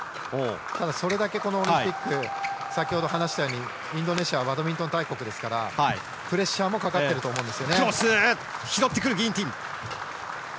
それだけ、このオリンピック先ほど話したようにインドネシアはバドミントン大国ですからプレッシャーもかかってると思うんです。